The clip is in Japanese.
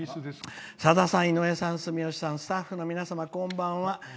「さださん、住吉さん、井上さんスタッフの皆さん、こんばんは。